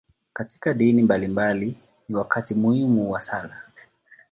Katika dini mbalimbali, ni wakati muhimu wa sala.